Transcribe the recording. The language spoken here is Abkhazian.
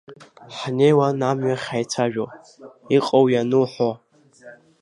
Ҳнеиуан амҩахь ҳаицәажәо, иҟоу-иану ҳәо.